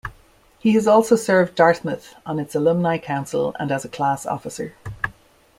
He has also served Dartmouth on its Alumni Council and as a class officer.